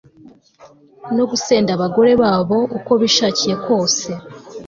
no gusenda abagore babo uko bishakiye kose